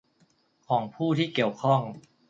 ของผู้ที่เกี่ยวข้อง